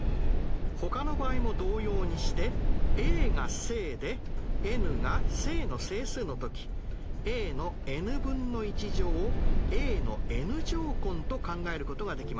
ほかの場合も同様にしてａが正でｎが正の整数の時ａのｎ分の１乗をａのｎ乗根と考えることができます。